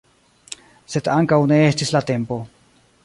Sed ankoraŭ ne estis la tempo.